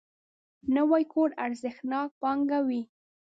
نوی کور ارزښتناک پانګه وي